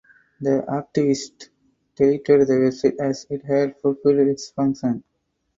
The activist deleted the website as it had fulfilled its function.